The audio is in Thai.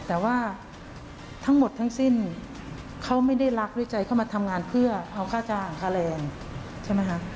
แต่ว่าทั้งหมดทั้งสิ้นเขาไม่ได้รักด้วยใจเข้ามาทำงานเพื่อเอาค่าจ้างค่าแรงใช่ไหมคะ